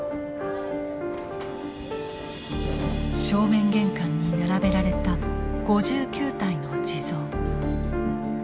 正面玄関に並べられた５９体の地蔵。